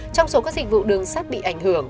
trong số các dịch vụ đường sắt bị ảnh hưởng